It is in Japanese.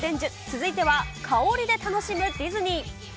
続いては香りで楽しむディズニー。